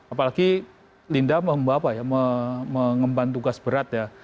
apalagi linda mengemban tugas berat ya